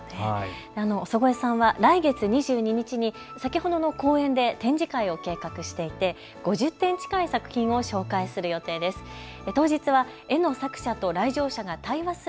尾曽越さんは来月２２日に先ほどの公園で展示会を計画していて５０点近い作品を紹介する予定です。